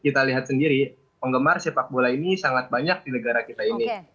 kita lihat sendiri penggemar sepak bola ini sangat banyak di negara kita ini